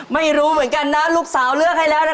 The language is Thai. ไม่รู้เหมือนกันนะลูกสาวเลือกให้แล้วนะ